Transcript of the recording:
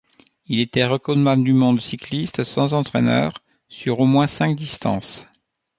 Il était recordman du monde cycliste, sans entraîneur, sur au moins cinq distances.